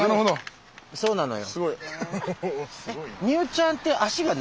そうなのよ。